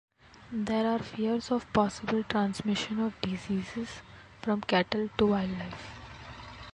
There are fears of possible transmission of diseases from cattle to wildlife.